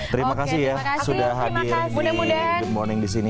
terima kasih ya sudah hadir di good morning di sini